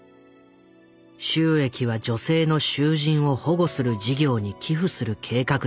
収益は女性の囚人を保護する事業に寄付する計画だった。